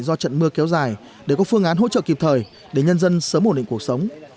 do trận mưa kéo dài để có phương án hỗ trợ kịp thời để nhân dân sớm ổn định cuộc sống